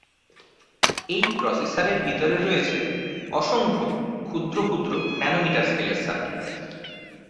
এই প্রসেসর এর ভিতরে রয়েছে অসংখ্য ক্ষুদ্র ক্ষুদ্র ন্যানোমিটার স্কেলের সার্কিট।